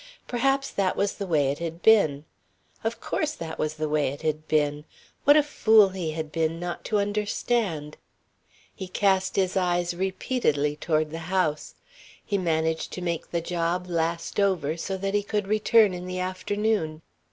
Perhaps that was the way it had been. Of course that was the way it had been. What a fool he had been not to understand. He cast his eyes repeatedly toward the house. He managed to make the job last over so that he could return in the afternoon.